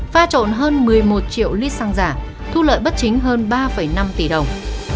pha trộn hơn một mươi một triệu lít xăng giả thu lợi bất chính hơn ba năm tỷ đồng